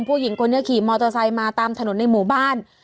ผู้หญิงคนนี้ขี่มอเตอร์ไซค์มาตามถนนในหมู่บ้าน